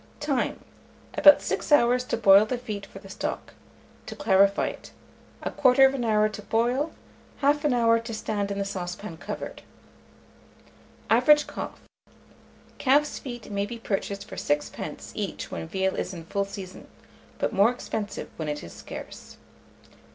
Time. About 6 hours to boil the feet for the stock; to clarify it, 1/4 hour to boil, 1/2 hour to stand in the saucepan covered. Average cost. Calf's feet may be purchased for 6d. each when veal is in full season, but more expensive when it is scarce.